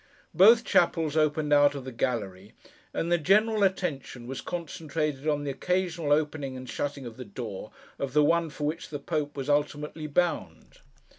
Both chapels opened out of the gallery; and the general attention was concentrated on the occasional opening and shutting of the door of the one for which the Pope was ultimately bound.